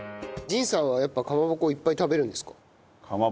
神さんはやっぱかまぼこいっぱい食べるんですか？